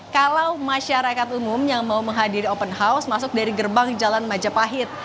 kalau masyarakat umum yang mau menghadiri open house masuk dari gerbang jalan majapahit